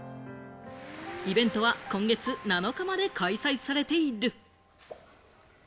イベントは今月７日まで開催されている。